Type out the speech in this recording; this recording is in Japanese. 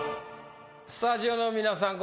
スタジオの皆さん